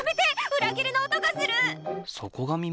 そこが耳？